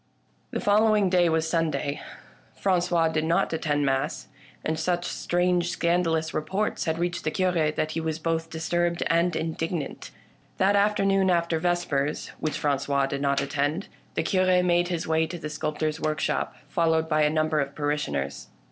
The following day was Sunday. Frangois did not attend mass, and such strange scandalous reports had reached the Cure that he was both disturbed and indig nant. That afternoon, after vespers (which Francois did not attend), the Cure made his way to the sculp tor's workshop, followed by a number of parishioners.